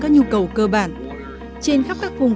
các nhu cầu cơ bản trên khắp các vùng